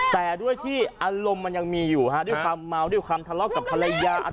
แต่ด้วยที่อารมณ์มันยังมีอยู่ฮะด้วยความเมาด้วยความทะเลาะกับภรรยา